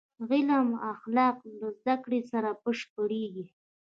علم د اخلاقو له زدهکړې سره بشپړېږي.